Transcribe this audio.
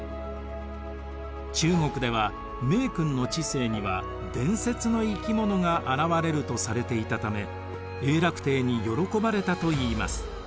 中国では名君の治世には伝説の生き物が現れるとされていたため永楽帝に喜ばれたといいます。